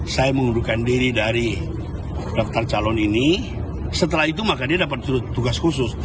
saya mengundurkan diri dari daftar calon ini setelah itu maka dia dapat sudut tugas khusus